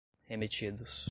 remetidos